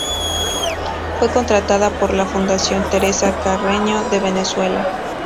Fue contratada por la Fundación Teresa Carreño de Venezuela.